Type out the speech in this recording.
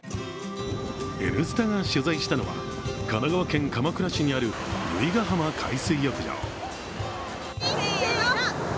「Ｎスタ」が取材したのは、神奈川県鎌倉市にある由比ガ浜海水浴場。